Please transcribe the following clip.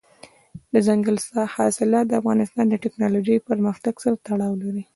دځنګل حاصلات د افغانستان د تکنالوژۍ پرمختګ سره تړاو لري.